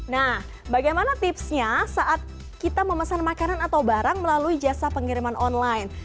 nah bagaimana tipsnya saat kita memesan makanan atau barang melalui jasa pengiriman online